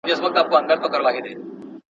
چي انسان هم آموخته په غلامۍ سي